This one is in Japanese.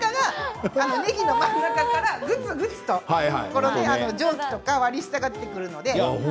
ねぎの真ん中からぐつぐつと割り下が出てくるので。